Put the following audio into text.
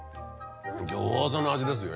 餃子の味ですよ